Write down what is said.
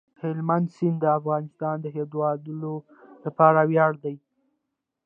هلمند سیند د افغانستان د هیوادوالو لپاره ویاړ دی.